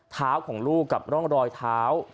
ของลูกกับร่องรอยเท้า